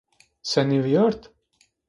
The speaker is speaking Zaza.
Senî vîyart?